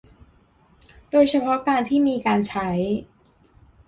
โดยเฉพาะการที่มีการใช้